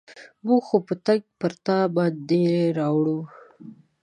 موږ خو به تنګ پر تا باندې راوړو.